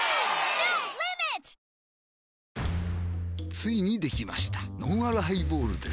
ついにできましたのんあるハイボールです